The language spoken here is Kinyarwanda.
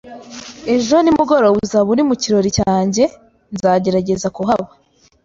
"Ejo nimugoroba uzaba uri mu kirori cyanjye?" "Nzagerageza kuhaba."